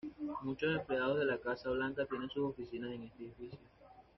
Muchos empleados de la Casa Blanca tienen sus oficinas en este edificio.